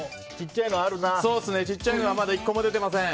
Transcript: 小さいのはまだ１個も出ていません。